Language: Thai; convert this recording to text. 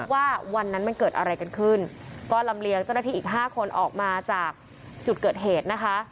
ว่าวันนั้นมันเกิดอะไรกันขึ้นก็ลำเลียงเจ้าหน้าที่อีกห้าคนออกมาจากจุดเกิดเหตุนะคะ